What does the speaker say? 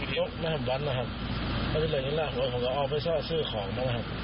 ต้องคิดเรื่องเรื่องบ้าง